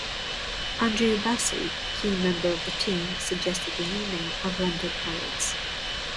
Andrew Bassie, a key member of the team, suggested the new name 'Orlando Pirates'.